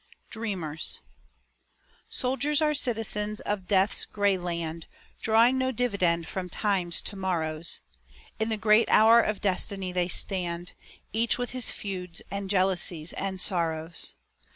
DREAMERS Soldiers are citizens of death's gray land, Drawing no dividend from time's to morrows; In the great hour of destiny they stand, Each with his feuds, and jealousies, and sorrows.